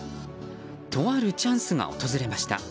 とあるチャンスが訪れました。